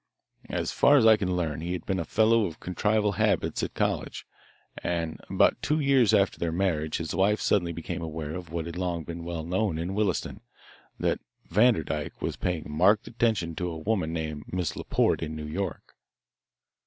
As far as I can learn he had been a fellow of convivial habits at college, and about two years after their marriage his wife suddenly became aware of what had long been well known in Williston, that Vanderdyke was paying marked attention to a woman named Miss Laporte in New York.